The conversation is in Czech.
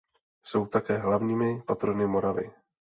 Jsou také hlavními patrony Moravy.